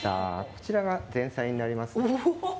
こちらが前菜になります。